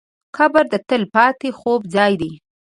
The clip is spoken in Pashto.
قبر د تل پاتې خوب ځای دی.